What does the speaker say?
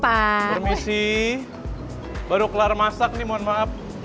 permisi baru kelar masak nih mohon maaf